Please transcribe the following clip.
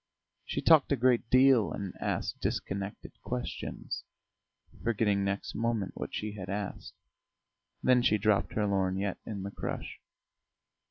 She talked a great deal and asked disconnected questions, forgetting next moment what she had asked; then she dropped her lorgnette in the crush.